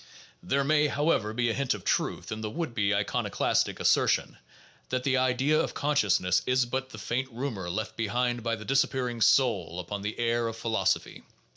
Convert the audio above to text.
There may, however, be a hint of truth in the would be iconoclastic assertion that the idea of consciousness is but "the faint rumor left behind by the disappearing 'soul' upon the air of philosophy."